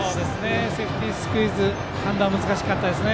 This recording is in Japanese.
セーフティースクイズ判断難しかったですね。